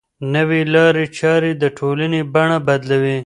نوې لارې چارې د ټولنې بڼه بدلوي.